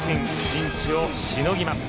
ピンチをしのぎます。